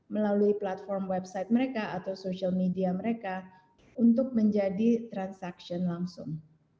melalui platform website mereka atau social media mereka untuk menjadi transaksi langsung